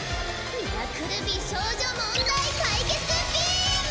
ミラクル美少女問題解決ビーム！